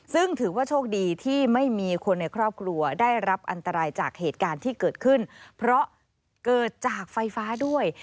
ซึ่งถือว่าโชคดีที่ไม่มีคนในครอบครัวได้รับอันตรายจากเหตุการณ์ที่เกิดขึ้นเพราะเกิดจากไฟฟ้าด้วย